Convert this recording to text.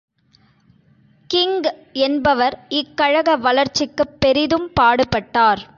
King என்பவர் இக்கழக வளர்ச்சிக்குப் பெரிதும் பாடுபட்டார்.